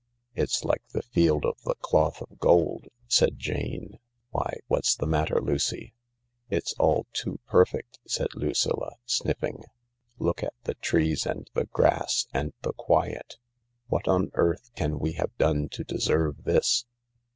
"It's like the field of the Cloth of Gold," said Jane. Why, what's the matter, Lucy ?" "It's all too perfect," said Lucilla, sniffing. "Look at the trees and the grass and the quiet. What on earth can we have done to deserve this